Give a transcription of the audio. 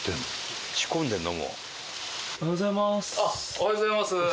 おはようございます！